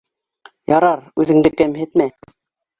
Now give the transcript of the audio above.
— Ярар, үҙеңде кәмһетмә